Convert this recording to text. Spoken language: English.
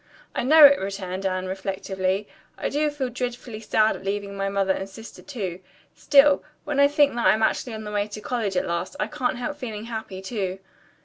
"I know it," returned Anne reflectively. "I do feel dreadfully sad at leaving my mother and sister, too. Still, when I think that I'm actually on the way to college at last, I can't help feeling happy, too."